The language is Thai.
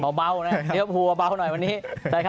ประชาสาปแบบพูว่าเบาหน่อย